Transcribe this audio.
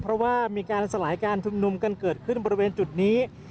เพราะว่ามีการสลายการชุมนุมกันเกิดขึ้นบริเวณจุดนี้